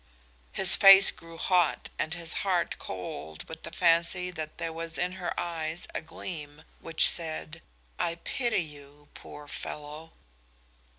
His face grew hot and his heart cold with the fancy that there was in her eyes a gleam which said: "I pity you, poor fellow."